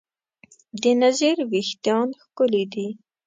د نذیر وېښتیان ښکلي دي.